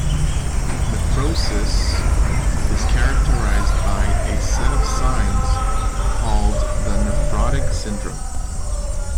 Nephrosis is characterized by a set of signs called the nephrotic syndrome.